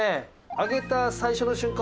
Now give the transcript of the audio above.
揚げた最初の瞬間